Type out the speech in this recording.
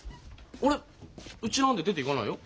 俺うちなんて出ていかないよ。